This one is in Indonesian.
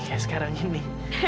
kayak sekarang ini